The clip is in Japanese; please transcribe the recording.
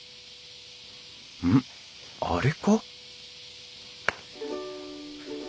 うん？あれか？